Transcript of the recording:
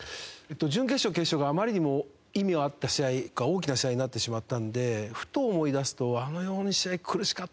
準決勝決勝があまりにも意味のあった試合大きな試合になってしまったのでふと思い出すとあの４試合苦しかったなっていう